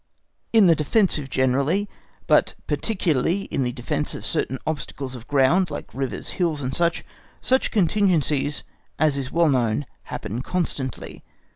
In the defensive generally, but particularly in the defence of certain obstacles of ground, like rivers, hills, &c., such contingencies, as is well known, happen constantly.